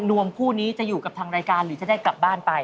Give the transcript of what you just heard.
วมคู่นี้จะอยู่กับทางรายการหรือจะได้กลับบ้านไป